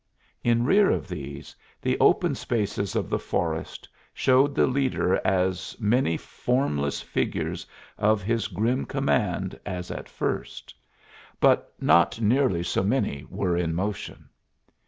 In rear of these, the open spaces of the forest showed the leader as many formless figures of his grim command as at first; but not nearly so many were in motion.